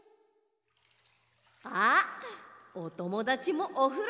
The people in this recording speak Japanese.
あっおともだちもおふろだ！